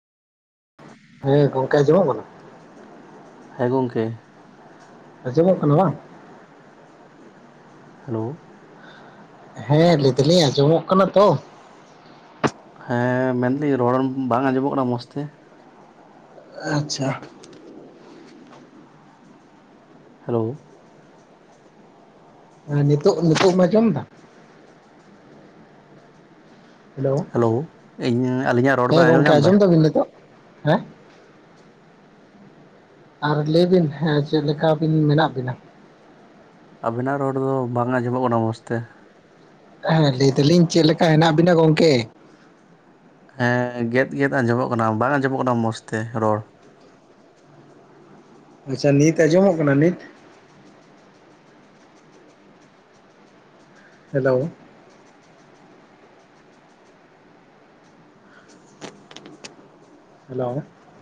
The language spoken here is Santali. ᱦᱮᱸ ᱜᱚᱝᱠᱮ ᱟᱸᱡᱚᱢᱜ ᱠᱟᱱᱟ? ᱦᱮᱸ ᱜᱚᱝᱠᱮ, ᱟᱸᱡᱚᱢᱚᱜ ᱠᱟᱱᱟ ᱵᱟᱝ ᱦᱮᱞᱳᱼᱼ ᱦᱮᱸ, ᱞᱟᱹᱭᱫᱟᱹᱞᱤᱧ ᱟᱸᱡᱚᱢᱚᱜ ᱠᱟᱱᱟ ᱛᱚ? ᱦᱮᱸ ᱢᱮᱱᱫᱟᱹᱧ ᱨᱚᱲ ᱵᱟᱝ ᱟᱸᱡᱚᱢᱚᱜ ᱠᱟᱱᱟ ᱢᱚᱸᱡᱽ ᱛᱮ ᱟᱪᱪᱷᱟ, ᱦᱮᱞᱳ, ᱦᱮᱸ ᱱᱤᱛᱳᱜ ᱱᱤᱛᱳᱜ ᱮᱢ ᱟᱸᱡᱚᱢ ᱫᱟ? ᱦᱮᱞᱳ ᱤᱧ ᱟᱹᱞᱤᱧᱟᱜ ᱨᱚᱲ ᱦᱮᱸ ᱵᱮᱱ ᱜᱚᱝᱠᱮ ᱧᱟᱢ ᱮᱫᱟ ᱟᱸᱡᱚᱢ ᱫᱟᱵᱤᱱ ᱱᱤᱛᱚᱜ ᱦᱮᱸ ᱟᱨ ᱞᱟᱹᱭ ᱵᱤᱱ ᱦᱮᱸ ᱪᱮᱫ ᱞᱮᱠᱟᱵᱤᱱ ᱢᱮᱱᱟᱜ ᱵᱤᱱᱟ? ᱟᱵᱮᱱᱟᱜ ᱨᱚᱲ ᱫᱚ ᱵᱟᱝ ᱟᱸᱡᱚᱢᱚᱜ ᱠᱟᱱᱟ ᱢᱚᱸᱡᱽ ᱛᱮ, ᱦᱮᱸ ᱞᱟᱹᱭ ᱫᱟᱞᱤᱧ ᱪᱮᱫ ᱞᱮᱠᱟ ᱦᱮᱱᱟᱜ ᱵᱤᱱᱟ ᱜᱚᱝᱠᱮ? ᱦᱮᱸ ᱜᱮᱫ ᱜᱮᱫ ᱟᱸᱡᱚᱢᱚᱜ ᱠᱟᱱᱟ, ᱵᱟᱝ ᱟᱸᱡᱚᱢᱚᱜ ᱠᱟᱱᱟ ᱢᱚᱸᱡᱽ ᱛᱮ ᱨᱚᱲ᱾ ᱟᱪᱪᱷᱟ ᱱᱤᱛ ᱟᱸᱡᱚᱢᱚᱜ ᱠᱟᱱᱟ ᱱᱤᱛ ᱦᱮᱞᱳ᱾ ᱦᱮᱞᱳ᱾